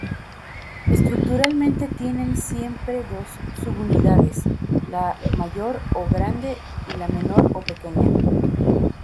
Estructuralmente, tienen siempre dos subunidades: la mayor o grande y la menor o pequeña.